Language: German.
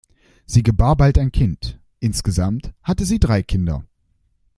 Sie gebar bald ein Kind, insgesamt hatten sie drei Kinder.